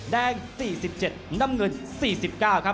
๔๗น้ำเงิน๔๙ครับ